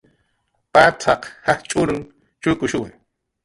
Patzaq jajch'urun chukushuwiwa